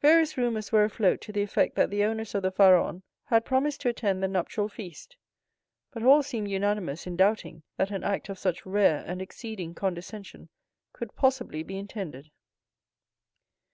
Various rumors were afloat to the effect that the owners of the Pharaon had promised to attend the nuptial feast; but all seemed unanimous in doubting that an act of such rare and exceeding condescension could possibly be intended.